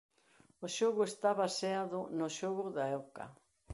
O xogo está baseado no xogo da oca.